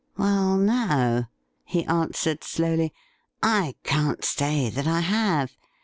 'Well, no,' he answered slowly; 'I can't say that I have.